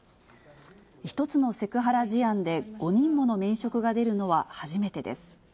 １つのセクハラ事案で５人もの免職が出るのは初めてです。